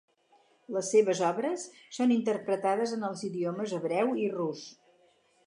Les seves obres són interpretades en els idiomes hebreu i rus.